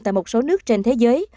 tại một số nước trên thế giới